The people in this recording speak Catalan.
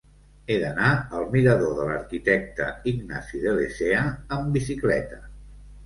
He d'anar al mirador de l'Arquitecte Ignasi de Lecea amb bicicleta.